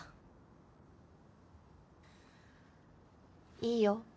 いいよ。